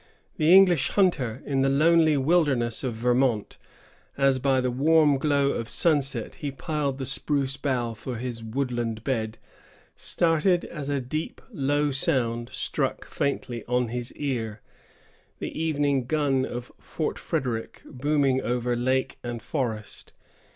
The English hunter, in the lonely wilderness of Vermont, as by the warm glow of sunset he piled the spruce boughs for his woodland bed, started as a deep, low sound struck faintly on his ear, the evening gun of Fort Frederic, booming over lake and forest.